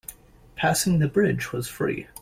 Passing the bridge was free.